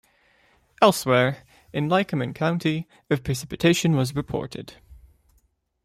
Elsewhere, in Lycoming County, of precipitation was reported.